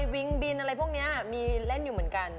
วิงบินอะไรพวกนี้มีเล่นอยู่เหมือนกัน